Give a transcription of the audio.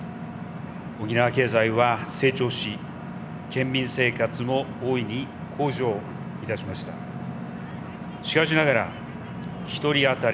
沖縄経済は成長し、県民生活も大いに向上いたしました。